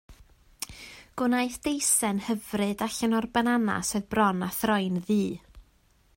Gwnaeth deisen hyfryd allan o'r bananas oedd bron â throi'n ddu.